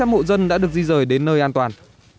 một trăm linh hộ dân đã được di rời đến nơi an toàn